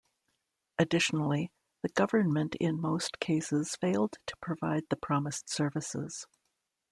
Additionally, the government in most cases failed to provide the promised services.